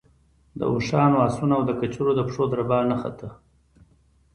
د اوښانو، آسونو او د کچرو د پښو دربا نه خته.